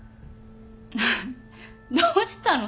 どうしたの？